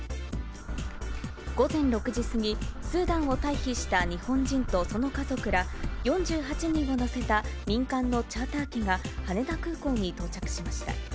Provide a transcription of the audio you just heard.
午前６時過ぎ、スーダンを退避した日本人とその家族ら４８人を乗せた民間のチャーター機が羽田空港に到着しました。